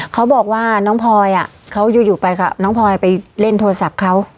เขาบอกว่าน้องพลอยเขาอยู่ไปกับน้องพลอยไปเล่นโทรศัพท์เขา